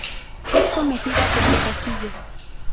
Es conocida por su castillo.